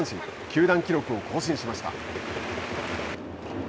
球団記録を更新しました。